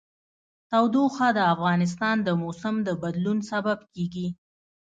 تودوخه د افغانستان د موسم د بدلون سبب کېږي.